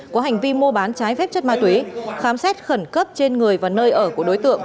có hành vi mua bán trái phép chất ma túy khám xét khẩn cấp trên người và nơi ở của đối tượng